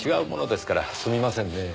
すみませんねぇ。